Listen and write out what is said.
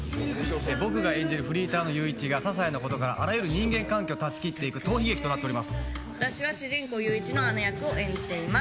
僕が演じる、フリーターの裕一がささいなことからあらゆる人間関係を断ち切っ私は主人公、裕一の姉役を演じています。